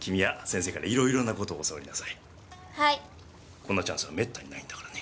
こんなチャンスはめったにないんだからね。